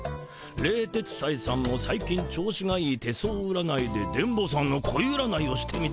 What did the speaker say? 「冷徹斎さんも最近調子がいい手相占いで電ボさんの恋占いをしてみたら？